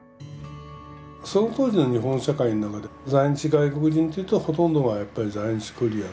その当時の日本社会の中で在日外国人っていうとほとんどがやっぱり在日コリアンで。